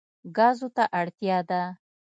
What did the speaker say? ګازو ته اړتیا ده.